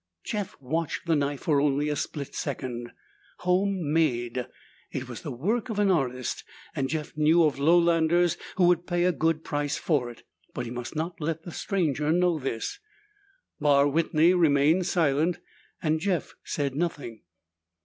Jeff watched the knife for only a split second. Homemade, it was the work of an artist and Jeff knew of lowlanders who would pay a good price for it. But he must not let the stranger know this. Barr Whitney remained silent and Jeff said nothing.